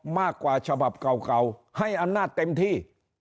มากกว่าฉบับเก่าให้อำนาจเต็มที่